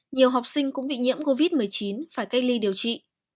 nhiều học sinh cũng bị nhiễm covid một mươi chín phải cách ly điều trị